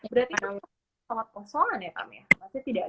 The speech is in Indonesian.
berarti itu pesawat kosongan ya tam